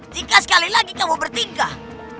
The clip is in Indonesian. jika sekali lagi kamu bertinggah